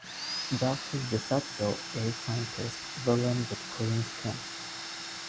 Doctor Decepto A scientist villain with green skin.